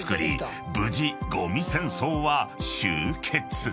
無事ゴミ戦争は終結］